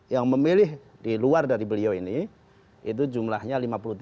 yang memilih di luar dari beliau ini itu jumlahnya lima puluh tiga